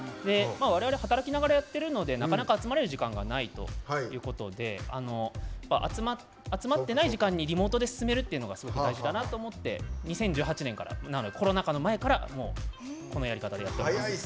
われわれ働きながらやってるのでなかなか集まれる時間がないということで集まってない時間にリモートで進めるっていうのがすごく大事だなと思って２０１８年からコロナ禍の前からこのやり方でやってます。